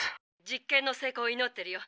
実験の成功をいのってるよ。